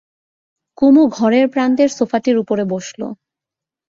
কুমু ঘরের প্রান্তের সোফাটির উপরে বসল।